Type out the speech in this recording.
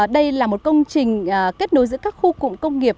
đây là một công trình kết nối giữa các khu cụm công nghiệp